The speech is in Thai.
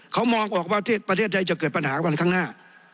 เขามองออกว่าประเทศไทยจะเกิดปัญหาวันข้างหน้า